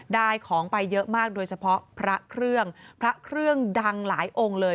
ได้ของไปเยอะมากโดยเฉพาะพระเครื่องพระเครื่องดังหลายองค์เลย